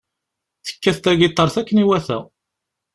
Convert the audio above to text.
Tekkat tagitaṛt akken iwata.